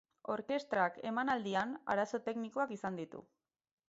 Orkestrak emanaldian arazo teknikoak izan ditu.